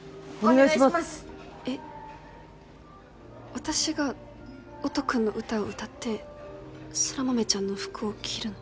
私が音くんの歌を歌って空豆ちゃんの服を着るの？